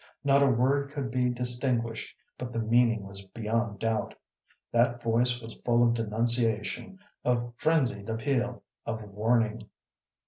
Not a word could be distinguished, but the meaning was beyond doubt. That voice was full of denunciation, of frenzied appeal, of warning.